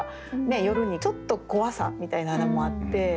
夜にちょっと怖さみたいなのもあって。